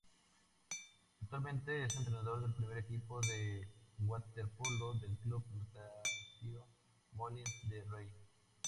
Actualmente, es entrenador del primer equipo de waterpolo del Club Natació Molins de Rei.